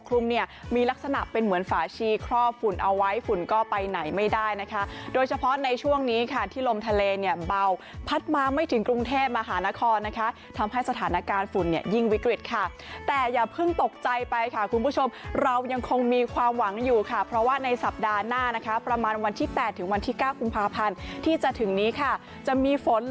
มีลักษณะเป็นเหมือนฝาชีครอบฝุ่นเอาไว้ฝุ่นก็ไปไหนไม่ได้นะคะโดยเฉพาะในช่วงนี้ค่ะที่ลมทะเลเนี่ยเบาพัดมาไม่ถึงกรุงเทพมหานครนะคะทำให้สถานการณ์ฝุ่นเนี่ยยิ่งวิกฤตค่ะแต่อย่าเพิ่งตกใจไปค่ะคุณผู้ชมเรายังคงมีความหวังอยู่ค่ะเพราะว่าในสัปดาห์หน้านะคะประมาณวันที่๘ถึงวันที่เก้ากุมภาพันธ์ที่จะถึงนี้ค่ะจะมีฝน